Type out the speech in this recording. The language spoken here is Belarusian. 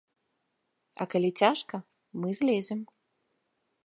А калі цяжка, мы злезем.